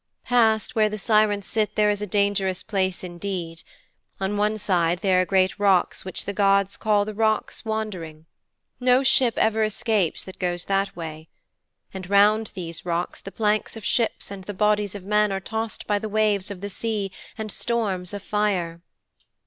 "' '"Past where the Sirens sit there is a dangerous place indeed. On one side there are great rocks which the gods call the Rocks Wandering. No ship ever escapes that goes that way. And round these rocks the planks of ships and the bodies of men are tossed by waves of the sea and storms of fire.